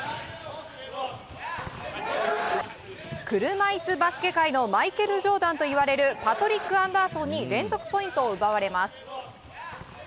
車いすバスケ界のマイケル・ジョーダンといわれるパトリック・アンダーソンに連続ポイントを奪われます。